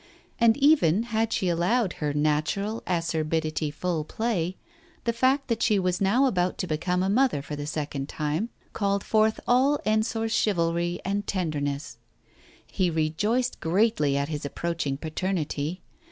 And even had she allowed her natural acerbity full play, the fact that she was now about to become a mother for the second time, called forth all Ensor's chivalry and tenderness. He rejoiced greatly at his approaching paternity.